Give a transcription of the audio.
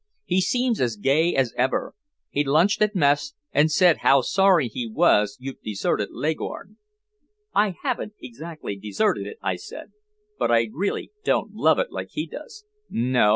He seems as gay as ever. He lunched at mess, and said how sorry he was you'd deserted Leghorn." "I haven't exactly deserted it," I said. "But I really don't love it like he does." "No.